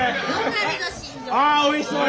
ああおいしそう！